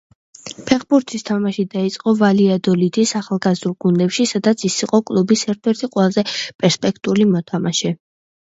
ფეხბურთის თამაში დაიწყო „ვალიადოლიდის“ ახალგაზრდულ გუნდებში, სადაც ის იყო კლუბის ერთ-ერთი ყველაზე პერსპექტიული მოთამაშე.